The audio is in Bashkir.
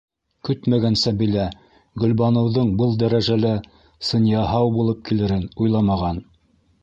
Көтмәгән Сәбилә Гөлбаныуҙың был дәрәжәлә сынъяһау булып килерен, уйламаған.